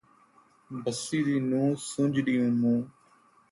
بسی دی نونہہ، سُنڄ ݙہوں مونہہ